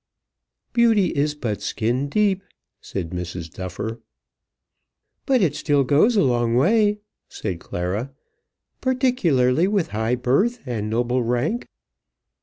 "Beauty is but skin deep," said Mrs. Duffer. "But still it goes a long way," said Clara, "particularly with high birth and noble rank."